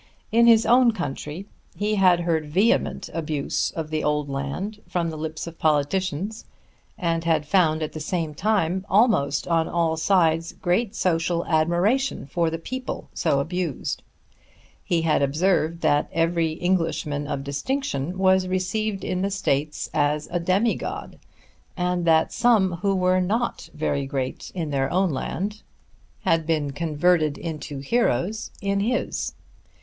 In his own country he had heard vehement abuse of the old land from the lips of politicians, and had found at the same time almost on all sides great social admiration for the people so abused. He had observed that every Englishman of distinction was received in the States as a demigod, and that some who were not very great in their own land had been converted into heroes in his.